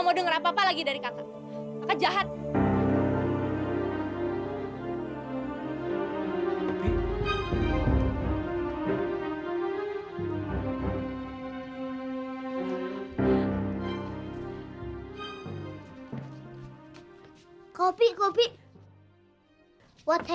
gue juga gak tau